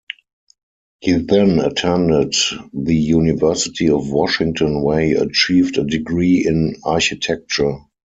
He then attended the University of Washington, where he achieved a degree in architecture.